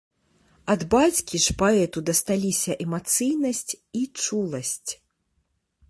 Ад бацькі ж паэту дасталіся эмацыйнасць і чуласць.